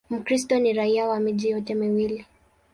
Mkristo ni raia wa miji yote miwili.